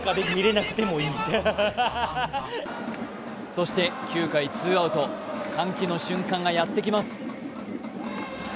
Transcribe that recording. そして９回ツーアウト、歓喜の瞬間がやってきます。